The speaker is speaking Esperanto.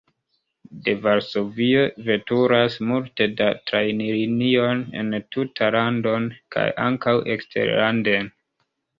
De Varsovio veturas multe da trajnlinioj en tutan landon kaj ankaŭ eksterlanden.